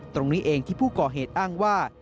ตรงนี้เองที่ผู้ก่อเหตุอ้างว่า